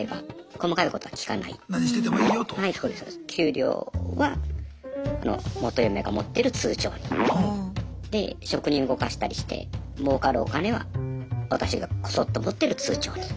給料は元嫁が持ってる通帳にで職人動かしたりしてもうかるお金は私がこそっと持ってる通帳にって分けて。